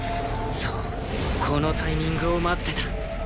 そうこのタイミングを待ってた。